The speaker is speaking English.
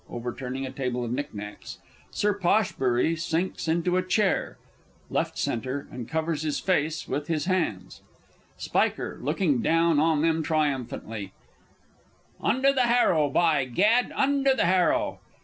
overturning a table of knicknacks;_ SIR POSHBURY sinks into chair, L.C., and covers his face with his hands. Sp. (looking down on them triumphantly). Under the Harrow, by Gad! Under the Harrow!